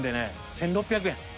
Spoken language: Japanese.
１，６００円。